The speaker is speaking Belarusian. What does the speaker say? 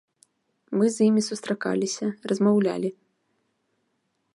Мы з імі сустракаліся, размаўлялі.